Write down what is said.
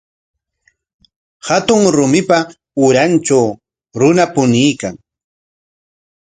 Hatun rumipa urantraw runa puñuykan.